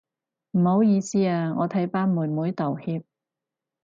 唔好意思啊，我替班妹妹道歉